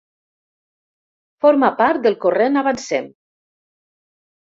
Forma part del corrent Avancem.